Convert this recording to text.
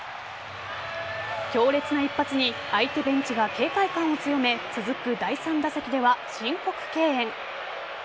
強烈な一発に、相手ベンチが警戒感を強め、続く第３打席では申告敬遠。